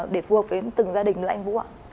để phù hợp với từng gia đình nữa anh vũ ạ